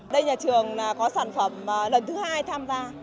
đây nhà trường có sản phẩm lần thứ hai tham gia